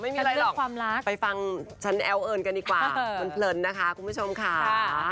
ไม่มีอะไรหรอกความรักไปฟังฉันแอ้วเอิญกันดีกว่าเพลินนะคะคุณผู้ชมค่ะ